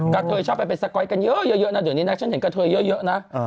เธอชอบไปเป็นสก๊อตกันเยอะนะเดี๋ยวนี้นะฉันเห็นกระเทยเยอะนะ